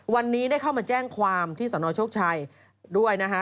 วันนี้ได้เข้ามาแจ้งความที่สนโชคชัยด้วยนะฮะ